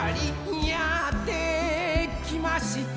「やってきました